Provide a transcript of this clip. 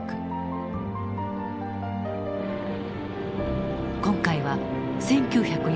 今回は１９４２年。